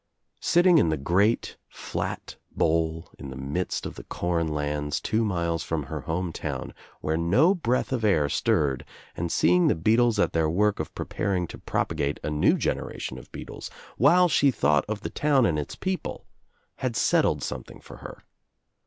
Sitting in the great flat bowl in the midst of the corn land* two miles from her home town where no breath of air stirred and seeing the beetles at their work of preparing to propagate a new generation of beetles, while she thought of the town and its people, had settled some thing for her.